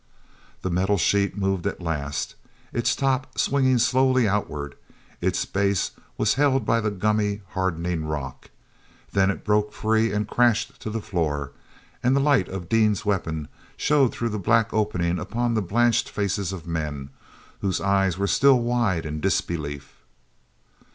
The metal sheet moved at last, its top swinging slowly outward. Its base was held by the gummy, hardening rock. Then it broke free and crashed to the floor, and the light of Dean's weapon showed through the black opening upon the blanched faces of men, where eyes were still wide in disbelief.